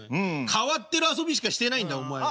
変わってる遊びしかしてないんだお前は。